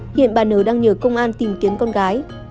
hiện bà n đang nhờ công an tìm kiếm con gái